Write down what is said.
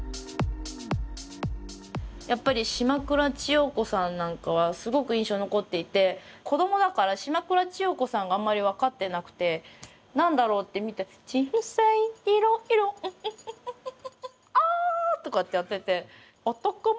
やっぱり島倉千代子さんなんかはすごく印象に残っていて子供だから島倉千代子さんがあんまり分かってなくて何だろうって見て「人生いろいろ」ンンンンンン「ア！」とかってやってて「男もいろ」